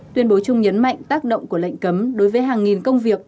tuyên bố chung nhấn mạnh tác động của lệnh cấm đối với hàng nghìn công việc